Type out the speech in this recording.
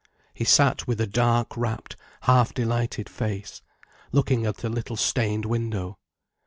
He sat with a dark rapt, half delighted face, looking at a little stained window.